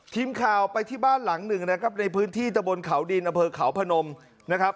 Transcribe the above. ทีมข่าวไปที่บ้านหลังหนึ่งนะครับในพื้นที่ตะบนเขาดินอำเภอเขาพนมนะครับ